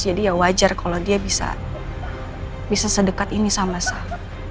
jadi ya wajar kalau dia bisa sedekat ini sama sah